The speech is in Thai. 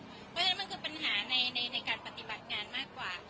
เพราะฉะนั้นมันคือปัญหาในการปฏิบัติงานมากกว่า